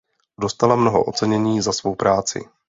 Dostala mnoho ocenění za svou práci.